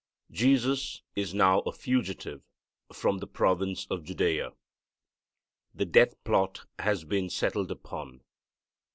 Jesus is now a fugitive from the province of Judea. The death plot has been settled upon.